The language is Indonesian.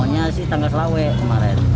maunya sih tanggal selawik kemarin